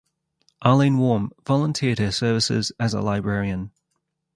Arlene Warm volunteered her services as a librarian.